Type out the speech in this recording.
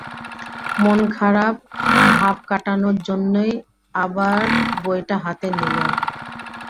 মন-খারাপ ভাব কাটানোর জন্যেই আবার র বইটা হাতে নিলেন।